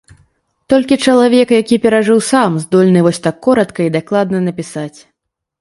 Толькі чалавек, які перажыў сам, здольны вось так коратка і дакладна напісаць.